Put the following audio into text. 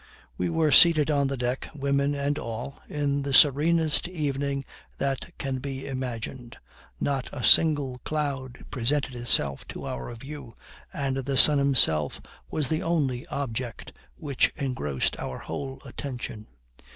We were seated on the deck, women and all, in the serenest evening that can be imagined. Not a single cloud presented itself to our view, and the sun himself was the only object which engrossed our whole attention.